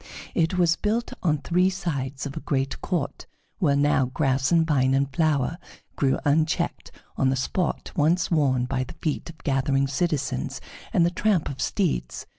It was built on three sides of a great court, where now grass and vine and flower grew unchecked, on the spot once worn by the feet of gathering citizens and the tramp of steeds.